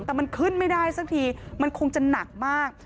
แต่มันขึ้นไม่ได้สักทีมันคงจะหนักมาก